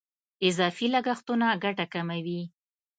اضافي لګښتونه ګټه کموي.